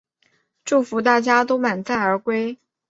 祝福大家都满载而归